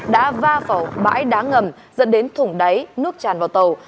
đã va vào bãi đá ngầm dẫn đến thủng đáy nước tràn vào tàu